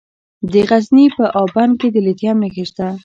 د غزني په اب بند کې د لیتیم نښې شته.